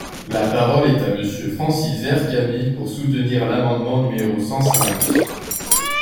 La parole est à Monsieur Francis Vercamer, pour soutenir l’amendement numéro cent cinq.